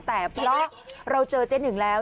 แต่เพราะเราเจอเจ๊หนึ่งแล้ว